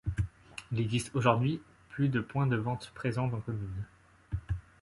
Il existe aujourd’hui plus de points de vente présents dans communes.